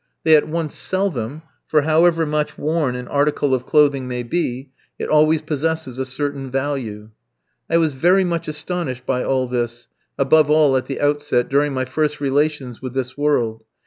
They at once sell them, for however much worn an article of clothing may be, it always possesses a certain value. I was very much astonished by all this, above all at the outset, during my first relations with this world.